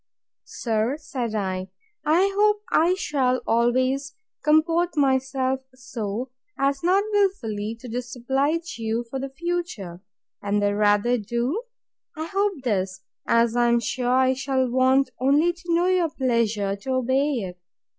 Sir, said I, I hope I shall always comport myself so, as not wilfully to disoblige you for the future; and the rather do I hope this, as I am sure I shall want only to know your pleasure to obey it.